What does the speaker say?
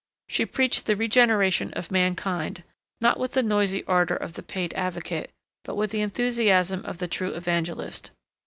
She preached the regeneration of mankind, not with the noisy ardour of the paid advocate, but with the enthusiasm of the true evangelist.